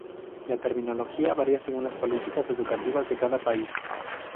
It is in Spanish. La terminología varía según las políticas educativas de cada país.